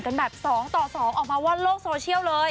กันแบบ๒ต่อ๒ออกมาว่าโลกโซเชียลเลย